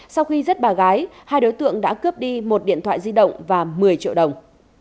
sau khi giết bà gái hai đối tượng đã cướp đi một điện thoại di động và một mươi triệu đồng